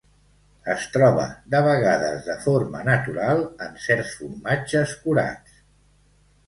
Es troba de vegades de forma natural en certs formatges curats.